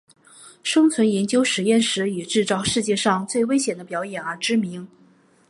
生存研究实验室以制造世界上最危险的表演而知名。